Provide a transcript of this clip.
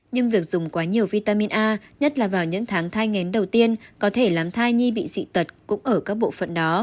nhưng việc dùng quá nhiều vitamin a nhất là vào những tháng thai ngén đầu tiên có thể làm thai nhi bị dị tật cũng ở các bộ phận đó